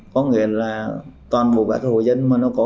có nghĩa là toàn bộ các hội dân